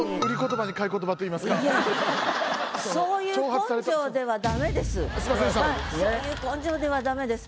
そういう根性ではダメです。